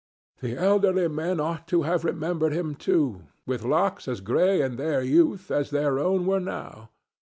The elderly men ought to have remembered him, too, with locks as gray in their youth as their own were now.